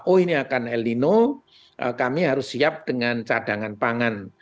oh ini akan el nino kami harus siap dengan cadangan pangan